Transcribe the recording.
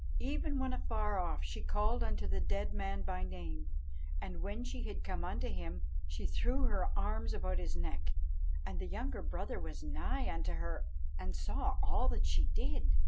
Even when afar off she called unto the dead man by name, and when she had come unto him she threw her arms about his neck; and the younger brother was nigh unto her, and saw all that she did.